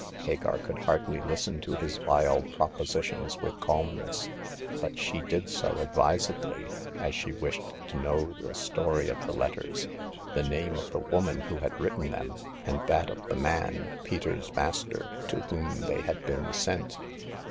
Hagar could hardly listen to his vile propositions with calmness ; but she did so advisedly, as she wished to know the story of the letters, the name of the woman who had written them, and that of the man— Peter's master— to whom they had been sent.